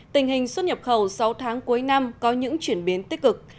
tình hình xuất nhập khẩu sáu tháng cuối năm có những chuyển biến tích cực